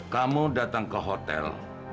kamu datang ke hotel